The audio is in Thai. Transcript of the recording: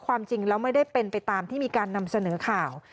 ความจริงแล้วไม่ได้เป็นไปตามที่มีการนำเสนอข่าว